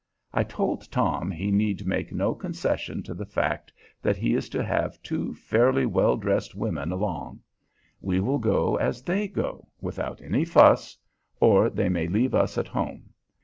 I told Tom he need make no concessions to the fact that he is to have two fairly well dressed women along. We will go as they go, without any fuss, or they may leave us at home.